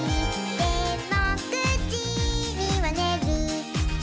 「でも９じにはねる」